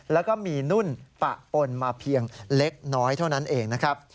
แล้วก็มีนุ่นปะปนมาเพียงเล็กน้อยเท่านั้นเองนะครับ